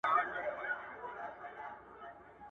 تاسو اوبه څښی